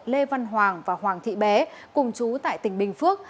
lê văn hoàng và hoàng thị bé cùng chú tại tỉnh bình phước